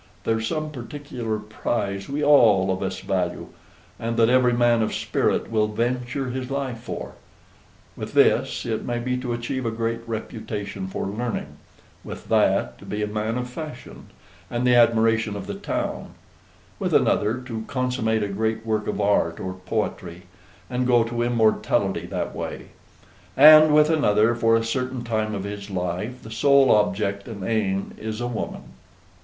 There's some particular prize we all of us value, and that every man of spirit will venture his life for. With this, it may be to achieve a great reputation for learning; with that, to be a man of fashion, and the admiration of the town; with another, to consummate a great work of art or poetry, and go to immortality that way; and with another, for a certain time of his life, the sole object and aim is a woman.